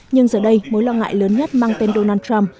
nhưng giờ đây mối lo ngại lớn nhất mang tên donald trump